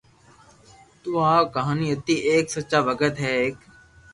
تو آ ڪہاني ھتي ايڪ سچا ڀگت ھين ايڪ